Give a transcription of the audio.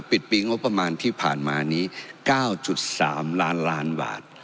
ปิดปีงบประมาณที่ผ่านมานี้๙๓ล้านล้านบาท